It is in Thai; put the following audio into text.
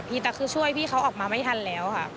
แต่คือช่วยพี่เขาออกมาไม่ทันแล้วค่ะ